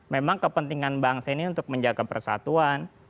memang kepentingan bangsa ini untuk menjaga persatuan